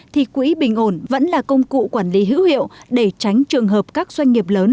thì quỹ bình ổn vẫn là công cụ quản lý hữu hiệu để tránh trường hợp các doanh nghiệp lớn